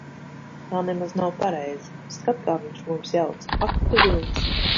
Tā nemaz nav pareizi. Skat, kā viņš mums jauc. Ak tu viens.